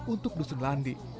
untuk dusun landi